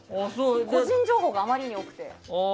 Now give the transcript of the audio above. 個人情報があまりに多くて。